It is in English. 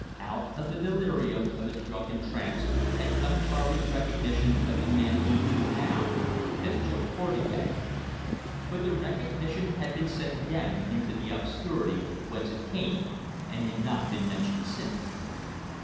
Out of the delirium of his drunken trance had come Charley's recognition of the man he knew now as Jo Portugais. But the recognition had been sent again into the obscurity whence it came, and had not been mentioned since.